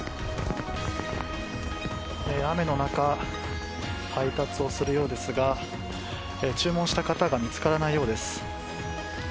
雨の中、配達をするようですが注文した方が見つからないようです。